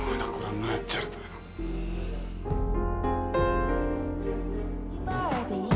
anak kurang ngejar tuh